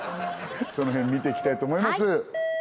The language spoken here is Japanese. その辺見ていきたいと思います